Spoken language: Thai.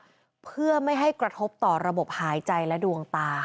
เพื่อไม่ให้กระทบต่อระบบหายใจและดวงตาค่ะ